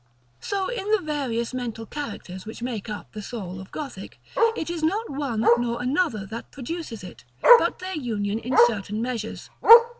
So in the various mental characters which make up the soul of Gothic. It is not one nor another that produces it; but their union in certain measures.